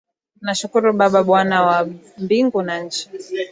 Nakushukuru Baba Bwana wa mbingu na nchi